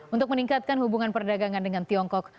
untuk meningkatkan hubungan perdagangan dengan tiongkok